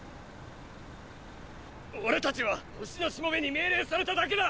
俺たちは星のしもべに命令されただけだ。